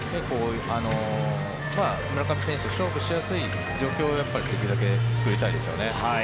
村上選手と勝負しやすい状況をできるだけ作りたいですよね。